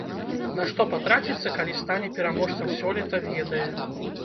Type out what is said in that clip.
На што патраціцца, калі стане пераможцам сёлета, ведае.